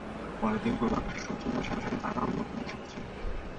পরের দিন পূর্বাকাশে সূর্য উদয়ের সাথে সাথে তারাও মদীনায় এসে উপস্থিত হন।